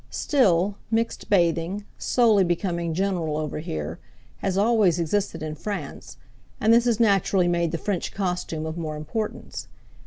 Still, mixed bathing, slowing becoming general over here, has always existed in France, and this has naturally made the French costume of more importance.